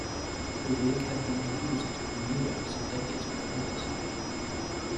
The rig had been introduced to Bermuda some decades before this.